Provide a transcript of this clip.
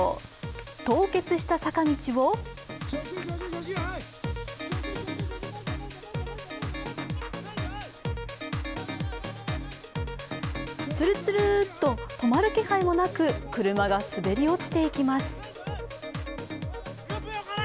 凍結した坂道をつるつるーっと、止まる気配もなく車が滑り落ちていきます。